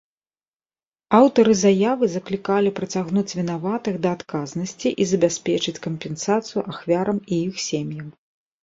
Аўтары заявы заклікалі прыцягнуць вінаватых да адказнасці і забяспечыць кампенсацыю ахвярам і іх сем'ям.